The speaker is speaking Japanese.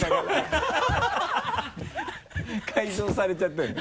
改造されちゃったね